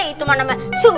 itu mana maksudnya